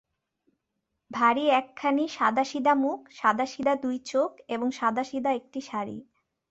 ভারি একখানি সাদাসিধা মুখ, সাদাসিধা দুটি চোখ, এবং সাদাসিধা একটি শাড়ি।